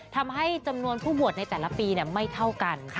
ทำให้จำนวนผู้บวชในแต่ละปีไม่เท่ากัน